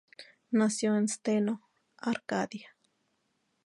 Nació en Steno, Arcadia.